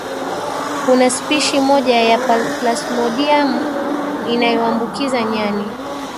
kuna spishi moja ya palsmodium inayoambukiza nyani